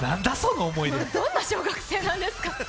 どんな小学生なんですか。